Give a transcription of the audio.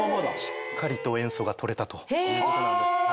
しっかりと塩素が取れたということなんです。